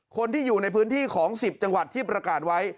คนที่อยู่ในพื้นที่ของ๑๐จังหวัดที่ประกาศไว้